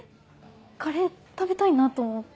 カレー食べたいなと思って。